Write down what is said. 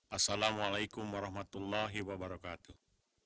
assalamualaikum warahmatullahi wabarakatuh